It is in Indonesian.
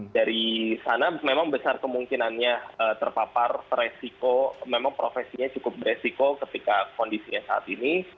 dari sana memang besar kemungkinannya terpapar teresiko memang profesinya cukup beresiko ketika kondisinya saat ini